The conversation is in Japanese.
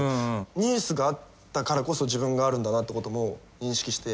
ＮＥＷＳがあったからこそ自分があるんだなということも認識して。